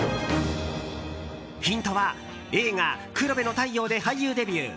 ヒントは、映画「黒部の太陽」で俳優デビュー。